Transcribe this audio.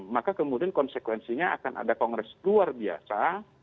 maka kemudian konsekuensinya akan ada kongres luar biasa